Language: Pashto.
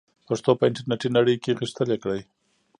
پښتو په انټرنیټي نړۍ کې غښتلې کړئ.